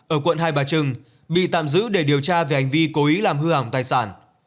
ở quận hai bà trưng bị tạm giữ để điều tra về hành vi cố ý làm hư hỏng tài sản